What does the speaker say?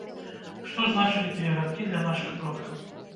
Што значылі тыя радкі для нашых продкаў?